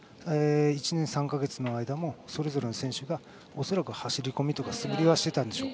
１年３か月の間もそれぞれの選手が恐らく走り込みとか素振りはしてたんでしょう。